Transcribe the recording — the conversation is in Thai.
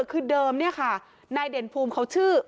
คือเดิมเนี่ยค่ะนายเด่นภูมิเขาชื่อ